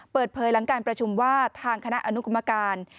เปิดเผยหลังการประชุมว่าทางคณะอนุกรรมการ